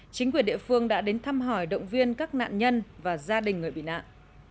chính quyền địa phương đã đến thăm hỏi động viên các nạn nhân và gia đình người bị nạn